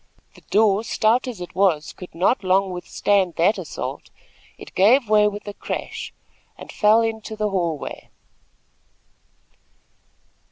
The door, stout as it was, could not long withstand that assault. It gave way with a crash, and fell into the hall way.